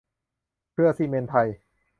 เครือซิเมนต์ไทย